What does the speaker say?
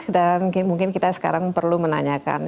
dan mungkin kita sekarang perlu menanyakan